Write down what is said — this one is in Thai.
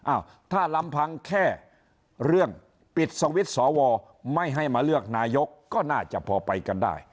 อ้าวถ้าลำพังแค่เรื่องปิดสวิตช์สวไม่ให้มาเลือกนายกก็น่าจะพอไปกันได้